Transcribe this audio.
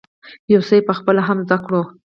يو څه یې په خپله هم زده کړی وو.